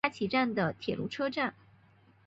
大崎站的铁路车站。